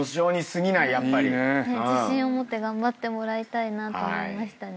自信を持って頑張ってもらいたいなと思いましたね。